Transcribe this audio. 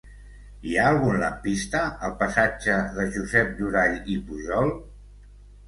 Hi ha algun lampista al passatge de Josep Durall i Pujol?